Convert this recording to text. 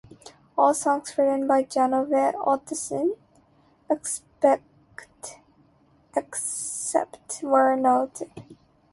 All songs written by Janove Ottesen, except where noted.